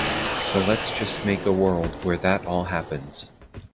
So let's just make a world where that all happens.